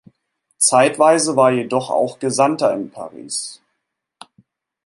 Zeitweise war jedoch auch Gesandter in Paris.